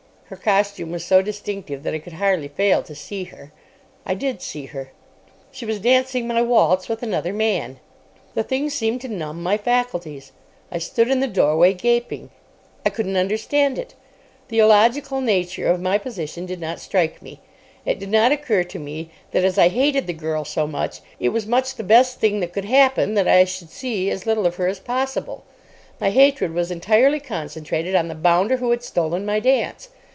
Her costume was so distinctive that I could hardly fail to see her. I did see her. She was dancing my waltz with another man. The thing seemed to numb my faculties. I stood in the doorway, gaping. I couldn't understand it. The illogical nature of my position did not strike me. It did not occur to me that as I hated the girl so much, it was much the best thing that could happen that I should see as little of her as possible. My hatred was entirely concentrated on the bounder who had stolen my dance.